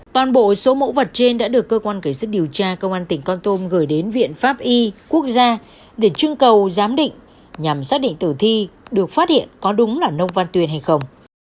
toàn bộ số mẫu vật trên đã được cơ quan cảnh sát điều tra công an tỉnh con tôm gửi đến viện pháp y quốc gia để trưng cầu giám định nhằm xác định tử thi được phát hiện có đúng là nông văn tuyên hay không